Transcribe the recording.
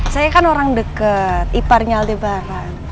saya kan orang deket ipar nyaldi barang